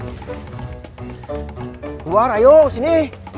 keluar ayo sini